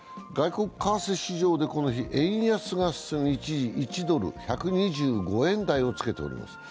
外国為替市場でこの日、円安が進み、一時１ドル＝１２５円台をつけております。